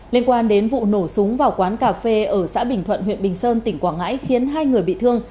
liên quan đến vụ nổ súng vào quán cà phê ở xã bình thuận huyện bình sơn tỉnh quảng ngãi khiến hai người bị thương